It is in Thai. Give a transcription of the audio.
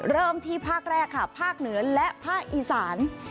เริ่มที่ภาคแรกค่ะภาคเหนือและภาคอีสาน